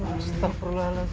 ustaz perlahan lahan sih